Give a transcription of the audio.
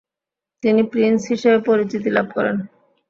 তিনি প্রিন্স হিসেবে পরিচিতি লাভ করেন।